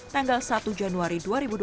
tanggal satu januari dua ribu dua puluh